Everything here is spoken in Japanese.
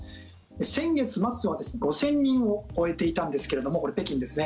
先月末は５０００人を超えていたんですけれどもこれは北京ですね